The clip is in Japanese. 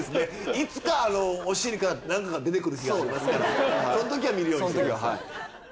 いつかお尻から何かが出てくる日がありますからそのときは見るようにしてください。